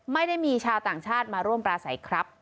ไม่ได้มีชาวต่างชาติมาร่วมปราศัยครับ